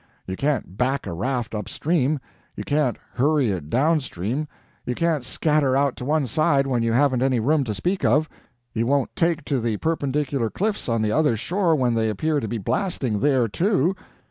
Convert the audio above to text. You can't back a raft upstream, you can't hurry it downstream, you can't scatter out to one side when you haven't any room to speak of, you won't take to the perpendicular cliffs on the other shore when they appear to be blasting there, too.